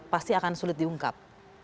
pasti akan sulit diungkap